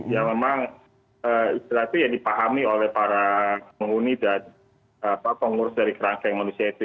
ya memang istilah itu yang dipahami oleh para penghuni dan pengurus dari kerangkeng manusia itu